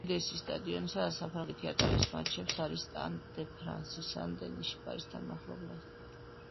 უდიდესი სტადიონი, სადაც საფრანგეთი ატარებს მატჩებს, არის სტად დე ფრანსი სენ-დენიში, პარიზთან მახლობლად.